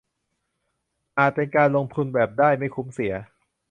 อาจเป็นการลงทุนแบบได้ไม่คุ้มเสีย